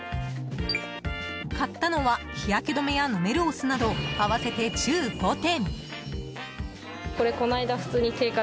買ったのは、日焼け止めや飲めるお酢など合わせて１５点。